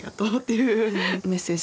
メッセージ。